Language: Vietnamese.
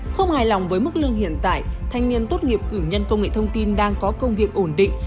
không hài lòng với mức lương hiện tại thanh niên tốt nghiệp cử nhân công nghệ thông tin đang có công việc ổn định